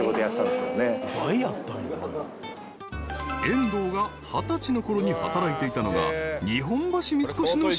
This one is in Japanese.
［遠藤が二十歳のころに働いていたのが］